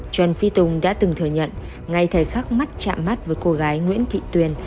trần phi tùng đã từng thừa nhận ngay thời khắc mắt chạm mắt với cô gái nguyễn thị tuyền